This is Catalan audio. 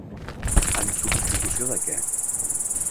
En substitució de què?